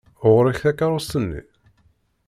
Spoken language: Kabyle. Ɣur-k takeṛṛust-nni!